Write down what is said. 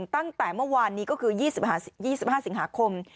ตั้งแต่เมื่อวานนี้ก็คือ๒๕สิงหาคม